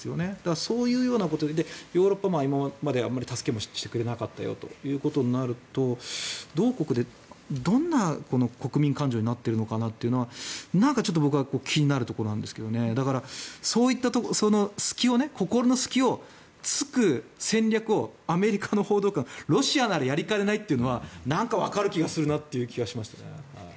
そういうようなことでヨーロッパは今まで助けもしてくれなかったということになると同国でどんな国民感情になっているのかなというのはなんか僕は気になるところなんですがだからその心の隙を突く戦略をアメリカの報道官はロシアならやりかねないというのは何かわかるなという気がします。